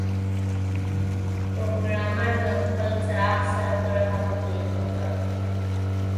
پروګرامر د خپل څراغ سره پر هغه برید وکړ